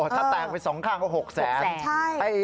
ถ้าแตกไป๒ข้างก็๖แสน